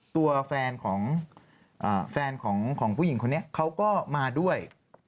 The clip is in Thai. ตัวแฟนของแฟนของผู้หญิงคนนี้เขาก็มาด้วย